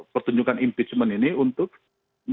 pertunjukan impeachment ini untuk men downgrade kubu lawan